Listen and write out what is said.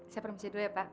saya permisi dulu ya pak